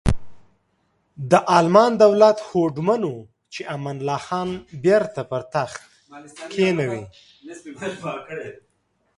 د المان دولت هوډمن و چې امان الله خان بیرته پر تخت کینوي.